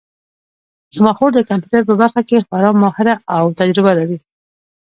زما خور د کمپیوټر په برخه کې خورا ماهره او تجربه لري